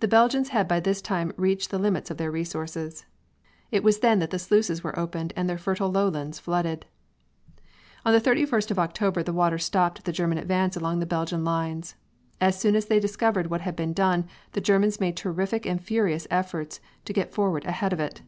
The Belgians had by this time reached the limit of their resources. It was then that the sluices were opened and their fertile lowlands flooded. On the thirty first of October the water stopped the German advance along the Belgian lines. As soon as they discovered what had been done the Germans made terrific and furious efforts to get forward ahead of it.